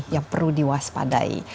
yang perlu diwaspadai